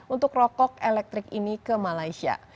untuk rokok elektrik ini ke malaysia